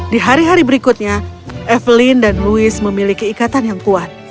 di hari hari berikutnya evelyn dan louis memiliki ikatan yang kuat